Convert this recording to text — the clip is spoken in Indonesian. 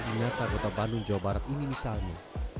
di natarota bandung jawa barat ini misalnya